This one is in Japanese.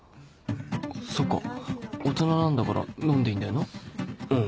そっか大人なんだから飲んでいいんだよなうん